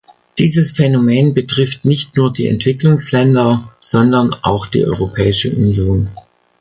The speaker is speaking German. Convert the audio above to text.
Dieses Phänomen betrifft nicht nur die Entwicklungsländer, sondern auch die Europäische Union.